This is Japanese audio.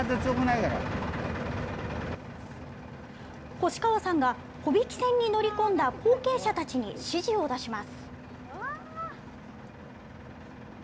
越川さんが帆引き船に乗り込んだ後継者たちに指示を出します。